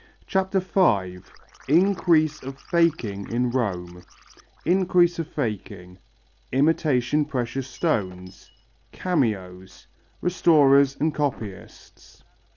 CHAPTER V INCREASE OF FAKING IN ROME Increase of Faking Imitation precious stones Cameos Restorers and copyists.